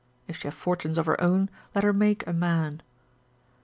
If she have fortunes of her own, let her make a man.